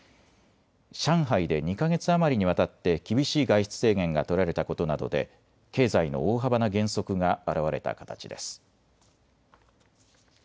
上海で２か月余りにわたって厳しい外出制限が取られたことなどで経済の大幅な減速が表れた形です。